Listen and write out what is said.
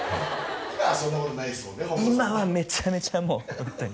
今はめちゃめちゃもうホントに。